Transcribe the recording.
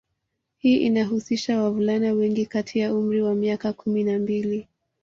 Hii inahusisha wavulana wengi kati ya umri wa miaka kumi na mbili